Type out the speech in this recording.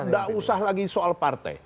tidak usah lagi soal partai